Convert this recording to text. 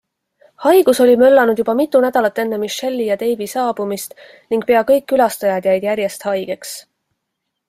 Haigus oli möllanud juba mitu nädalat enne Michelle'i ja Dave'i saabumist ning pea kõik külastajad jäid järjest haigeks.